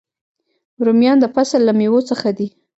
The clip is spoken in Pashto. رومیان د فصل له میوو څخه دي